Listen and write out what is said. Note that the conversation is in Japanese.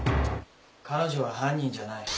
彼女は犯人じゃない。